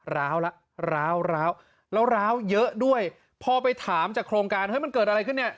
ร้าวแล้วร้าวร้าวแล้วร้าวเยอะด้วยพอไปถามจากโครงการเฮ้ยมันเกิดอะไรขึ้นเนี่ย